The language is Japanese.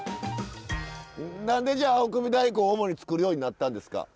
何でじゃあ青首大根を主に作るようになったんですか？